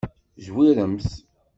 Zwiremt.